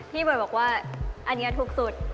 พี่เบิร์ดบอกว่าอันนี้ถูกสุด